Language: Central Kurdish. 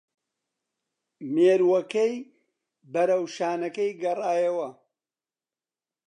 مێرووەکەی بەرەو شانەکەی گەڕایەوە